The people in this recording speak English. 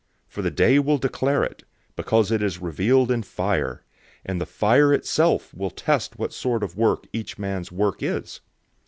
For the Day will declare it, because it is revealed in fire; and the fire itself will test what sort of work each man's work is.